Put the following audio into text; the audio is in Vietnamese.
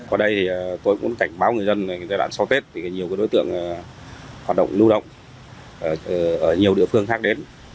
ở đây thì tôi cũng cảnh báo người dân giai đoạn sau tết thì nhiều đối tượng hoạt động lưu động ở nhiều địa phương khác đến